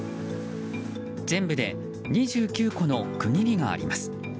全部で２９個の区切りがあります。